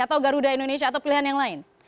atau garuda indonesia atau pilihan yang lain